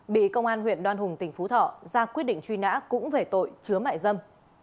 bị công an huyện đoan hùng tỉnh phú thọ ra quyết định truy nã cũng về tội chứa mại dâm